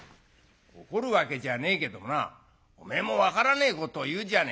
「怒るわけじゃねえけどもなおめえも分からねえことを言うじゃねえか。